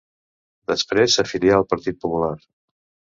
Després, s'afilià al Partit Popular.